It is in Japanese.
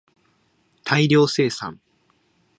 大量生産